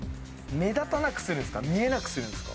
目立たなくするんですか？